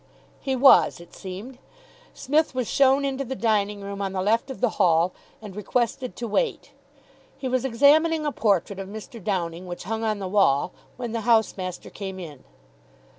He was, it seemed. Psmith was shown into the dining room on the left of the hall, and requested to wait. He was examining a portrait of Mr. Downing which hung on the wall, when the housemaster came in.